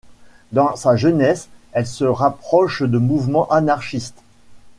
Dans sa jeunesse, elle se rapproche de mouvements anarchistes.